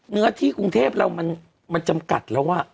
เนื้อที่กรุงเทพเรามันจำกัดแล้ว